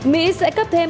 mỹ sẽ cấp thêm